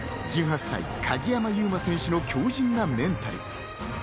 １８歳、鍵山優真選手の強靱なメンタル。